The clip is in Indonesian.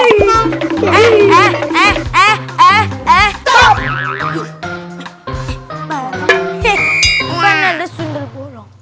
hei kan ada sundel bolong